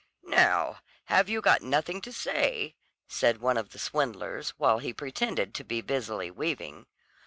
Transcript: "Now, have you got nothing to say?" said one of the swindlers, while he pretended to be busily weaving.